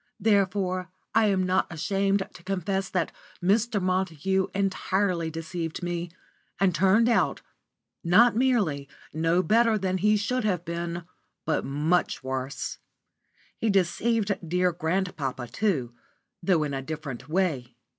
Therefore I am not ashamed to confess that Mr. Montague entirely deceived me, and turned out, not merely no better than he should have been, but much worse. He deceived dear grandpapa, too, though in a different way.